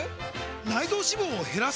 内臓脂肪を減らす！？